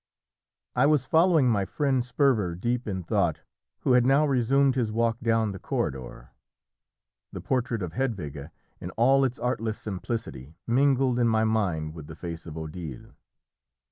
I was following my friend Sperver, deep in thought, who had now resumed his walk down the corridor. The portrait of Hedwige, in all its artless simplicity, mingled in my mind with the face of Odile.